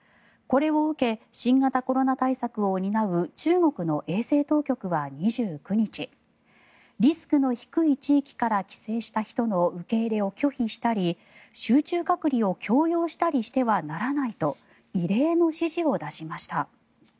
これを受け新型コロナ対策を担う中国の衛生当局は２９日リスクの低い地域から帰省した人の受け入れを拒否したり集中隔離を強要したりしてはならないと異例の指示を出しました。